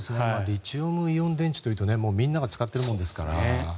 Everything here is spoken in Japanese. リチウムイオン電池というとみんなが使っているものですから。